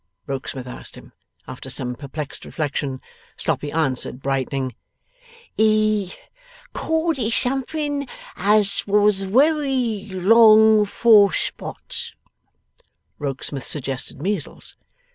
Rokesmith asked him. After some perplexed reflection, Sloppy answered, brightening, 'He called it something as wos wery long for spots.' Rokesmith suggested measles.